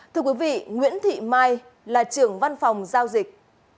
thưa quý vị nguyễn thị mai là trưởng văn phòng giao dịch